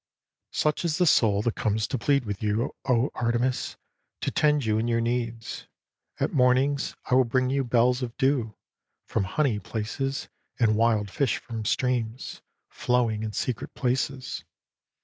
" Such is the soul that comes to plead with you Oh, Artemis, to tend you in your needs. At mornings I will bring you bells of dew From honey places, and wild fish from streams Flowing in secret places.